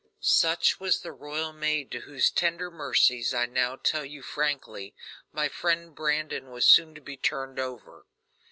Such was the royal maid to whose tender mercies, I now tell you frankly, my friend Brandon was soon to be turned over.